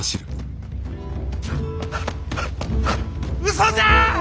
嘘じゃあ！